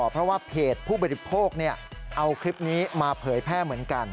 เพราะว่าเพจผู้บริโภคเอาคลิปนี้มาเผยแพร่เหมือนกัน